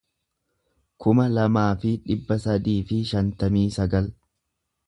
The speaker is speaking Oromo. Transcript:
kuma lamaa fi dhibba sadii fi shantamii sagal